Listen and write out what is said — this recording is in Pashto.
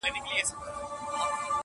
که هر څومره لږه ونډه ور رسیږي -